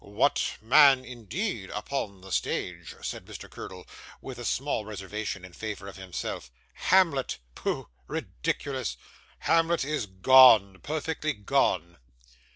'What man indeed upon the stage,' said Mr. Curdle, with a small reservation in favour of himself. 'Hamlet! Pooh! ridiculous! Hamlet is gone, perfectly gone.